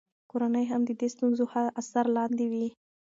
کورنۍ هم د دې ستونزو اثر لاندې وي.